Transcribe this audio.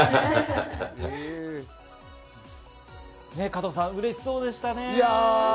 加藤さん、嬉しそうでしたね。